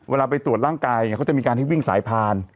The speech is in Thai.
เวลาไปตรวจร่างกายเขาจะมีการให้วิ่งสายพาน